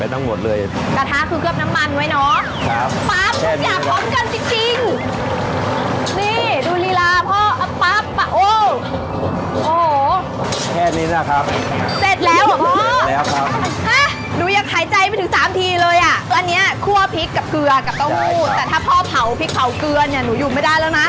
แต่ถ้าพ่อเผาพริกเผาเกลือหนูหยุดไม่ได้แล้วนะ